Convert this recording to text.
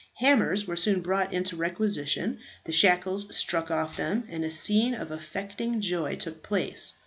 Hammers were soon brought into requisition, the shackles struck off them, and a scene of affecting joy took place.